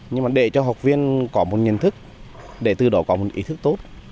nhưng mà để cho học viên có một nhận thức để từ đó có một ý thức tốt